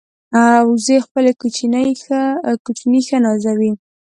وزې خپل کوچني ښه نازوي